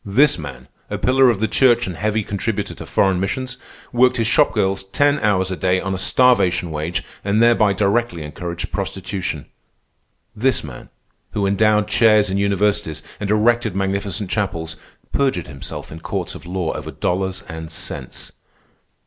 This man, a pillar of the church and heavy contributor to foreign missions, worked his shop girls ten hours a day on a starvation wage and thereby directly encouraged prostitution. This man, who endowed chairs in universities and erected magnificent chapels, perjured himself in courts of law over dollars and cents.